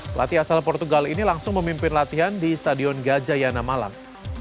pelatih asal portugal ini langsung memimpin latihan di stadion gajayana malang